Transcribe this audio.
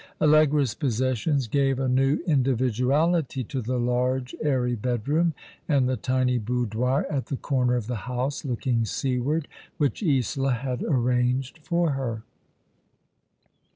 Allegra's possessions gave a new individuality to the large, airy bedroom, and the tiny boudoir at the corner of the house, looking seaward, which Isola had arranged for her.